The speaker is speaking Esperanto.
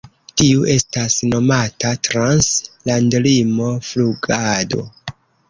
Tiu estas nomata Trans-landlimo Flugado.